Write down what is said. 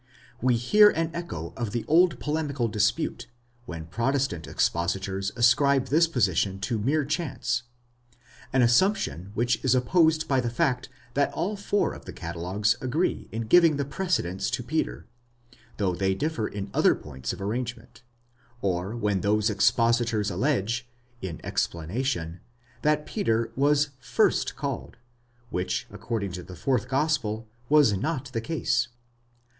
We hear an echo of the old polemical dispute, when Protestant expositors ascribe this. position to mere chance,—an assumption which is opposed by the fact that all four of the catalogues agree in giving the precedence to Peter, though they: differ in other points of arrangement; or when those expositors allege, in ex planation, that Peter was first called,? which, according to the fourth gospel,. was not the case.